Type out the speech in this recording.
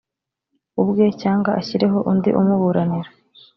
ubwe cyangwa ashyireho undi umuburanira